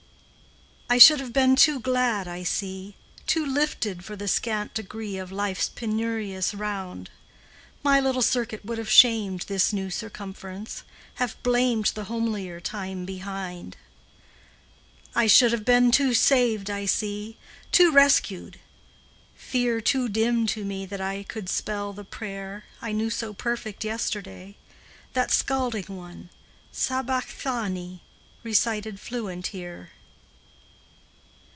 I should have been too glad, I see, Too lifted for the scant degree Of life's penurious round; My little circuit would have shamed This new circumference, have blamed The homelier time behind. I should have been too saved, I see, Too rescued; fear too dim to me That I could spell the prayer I knew so perfect yesterday, That scalding one, "Sabachthani," Recited fluent here.